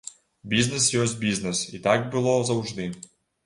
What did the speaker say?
Бізнес ёсць бізнес, і так было заўжды.